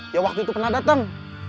ya waktu itu pernah datang